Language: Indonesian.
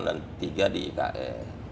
dan tiga di ike